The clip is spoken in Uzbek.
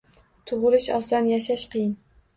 Tug’ilish oson, yashash qiyin.